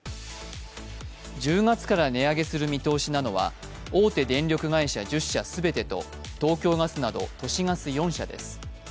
１０月から値上げする見通しなのは、大手電力会社１０社全てと、東京ガスなど都市ガス４社です。